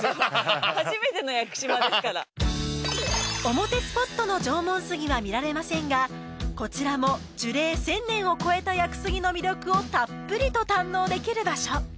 初めての屋久島ですからオモテスポットの縄文杉は見られませんがこちらも樹齢１０００年を超えた屋久杉の魅力をたっぷりと堪能できる場所